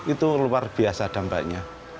itu luar biasa dampaknya